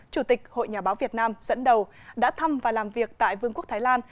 chủ tịch hội nhà báo việt nam dẫn đầu đã thăm và làm việc tại vương quốc thái lan